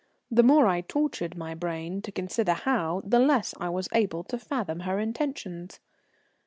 The more I tortured my brain to consider how, the less I was able to fathom her intentions.